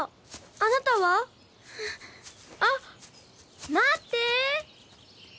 あなたは？あっ待って！